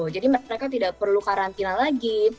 jadi mereka tidak perlu karantina lagi